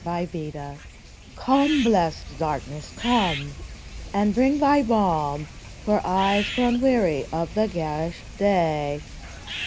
DARKNESS Come, blessed Darkness, come, and bring thy balm For eyes grown weary of the garish Day